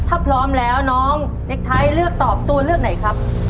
ถ้าพร้อมแล้วน้องเน็กไทยเลือกตอบตัวเลือกไหนครับ